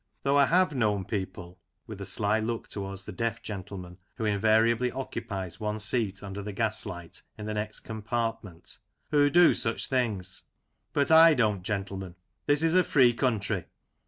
Though I have known people (with a sly look towards the deaf gentleman who invariably occupies one seat under the gaslight in the next compartment) who do such things. But / don't, gentlemen ; this is a free country.